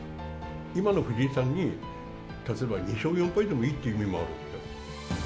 今の藤井さんに、例えば２勝４敗でもいいっていう意味もある。